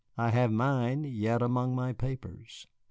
I have mine yet among my papers.